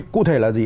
cụ thể là gì